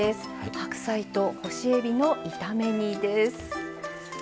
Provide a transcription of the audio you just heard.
白菜と干しえびの炒め煮です。